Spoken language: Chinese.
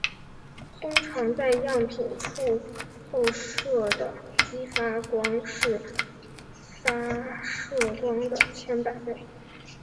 通常在样品处透射的激发光是反射光的千百倍。